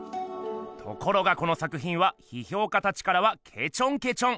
ところがこの作ひんはひひょうかたちからはけちょんけちょん。